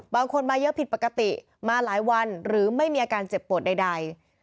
บางคนมาเยอะผิดปกติมาหลายวันหรือไม่มีอาการเจ็บปวดใด